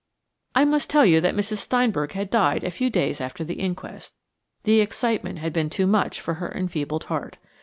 I must tell you that Mrs. Steinberg had died a few days after the inquest. The excitement had been too much for her enfeebled heart.